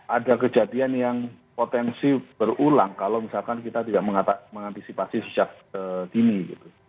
ada kejadian yang potensi berulang kalau misalkan kita tidak mengantisipasi sejak dini gitu